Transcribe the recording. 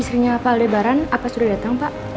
istrinya pak aldebaran apa sudah datang pak